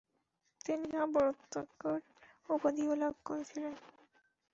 তিনি “কাব্যরত্নাকর” উপাধিও লাভ করেছিলেন।